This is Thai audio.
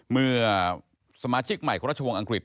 เมื่อสมาชิกใหม่ของราชวงศ์อังกฤษ